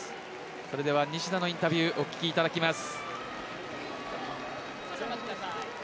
それでは西田のインタビューお聞きいただきます。